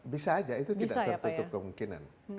bisa aja itu tidak tertutup kemungkinan